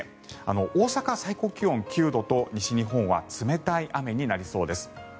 大阪、最高気温９度と西日本は冷たい雨になりそうです。